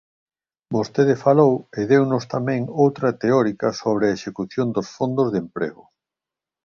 Vostede falou e deunos tamén outra teórica sobre a execución dos fondos de emprego.